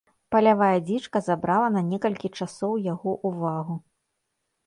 Палявая дзічка забрала на некалькі часу яго ўвагу.